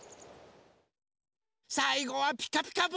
さいごは「ピカピカブ！」です。